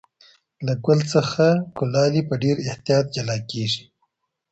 له ګل څخه کلالې په ډېر احتیاط جلا کېږي.